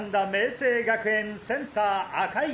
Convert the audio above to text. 青学園センター赤井